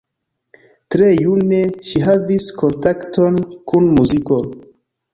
Tre june ŝi havis kontakton kun muziko.